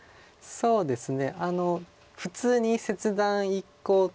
そうですね。